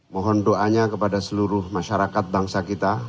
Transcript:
mohon doanya kepada seluruh masyarakat bangsa kita